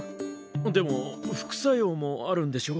でも副作用もあるんでしょう？